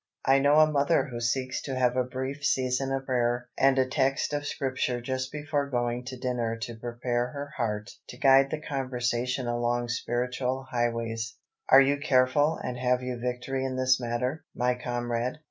I know a mother who seeks to have a brief season of prayer and a text of Scripture just before going to dinner to prepare her heart to guide the conversation along spiritual highways. Are you careful and have you victory in this matter, my comrade?